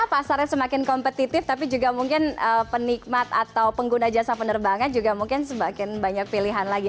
pasarnya semakin kompetitif tapi juga mungkin penikmat atau pengguna jasa penerbangan juga mungkin semakin banyak pilihan lagi